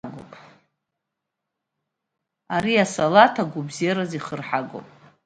Ари асалаҭ агәабзиараз ихырҳагоуп.